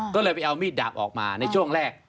ก็เลยไปเอามีดดาบออกมาในช่วงแรก